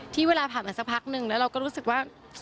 เวลาผ่านมาสักพักนึงแล้วเราก็รู้สึกว่า